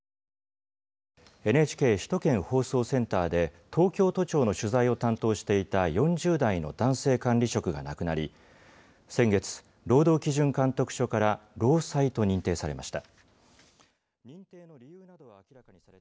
ＮＨＫ首都圏放送センターで東京都庁の取材を担当していた４０代の男性管理職が亡くなり先月労働基準監督署から労災と認定されました。